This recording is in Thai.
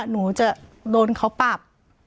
หนูจะโดนเขาปรับ